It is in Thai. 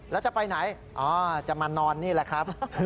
แล้วจะไปไหนอ๋อจะมานอนนี่แหละครับ